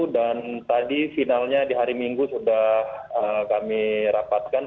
dan tadi finalnya di hari minggu sudah kami rapatkan